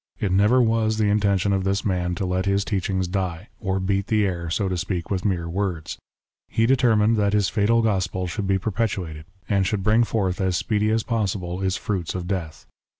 It never was the intention of this man to let his teachings die, or beat the air, so to speak, with mere words. He determined that his fatal gospel should be perpetuated, and should bring forth as speedy as possible its fruits of death.